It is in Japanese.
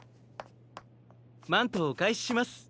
マントをおかえしします。